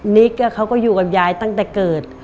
ิ๊กเขาก็อยู่กับยายตั้งแต่เกิด